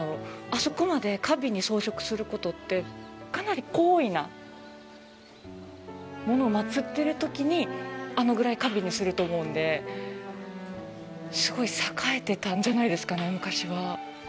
あそこまで華美に装飾することってかなり高位なものを祭っているときにあのぐらい華美にすると思うんですごい栄えてたんじゃないですかね昔は。